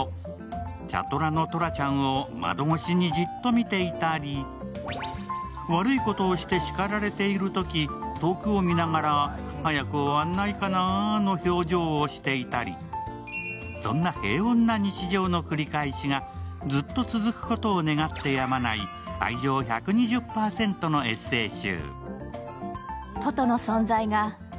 茶トラのとらちゃんを窓越しにじっと見ていたり、悪いことをしてしかられているとき、遠くを見ながら早く終わんないかなぁの表情をしていたり、そんな平穏な日常の繰り返しがずっと続くことを願ってやまない愛情１２０％のエッセイ集。